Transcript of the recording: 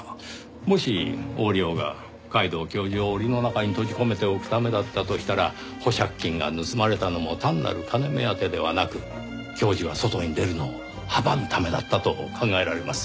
もし横領が皆藤教授を檻の中に閉じ込めておくためだったとしたら保釈金が盗まれたのも単なる金目当てではなく教授が外に出るのを阻むためだったと考えられます。